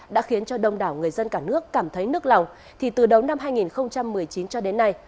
đã khiến cho đông đảo người dân cả nước cảm thấy nước lòng thì từ đầu năm hai nghìn một mươi chín cho đến nay